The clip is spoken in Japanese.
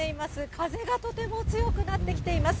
風がとても強くなってきています。